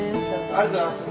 ありがとうございます。